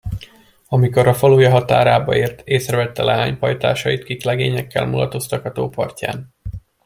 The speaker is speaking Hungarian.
Amikor a faluja határába ért, észrevette leánypajtásait, kik legényekkel mulatoztak a tó partján.